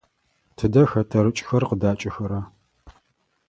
Тыдэ хэтэрыкӏхэр къыдакӏэхэра?